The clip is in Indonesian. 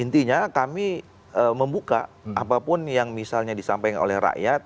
oke intinya kami membuka apapun yang misalnya disampaikan oleh